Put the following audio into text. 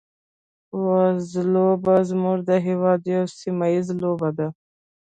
وزلوبه زموږ د هېواد یوه سیمه ییزه لوبه ده.